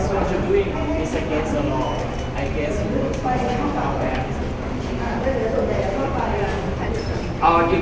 พวกมันจัดสินค้าที่๑๙นาที